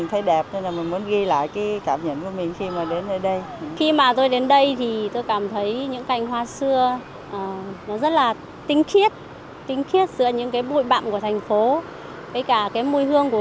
hà nội có thể bỏ qua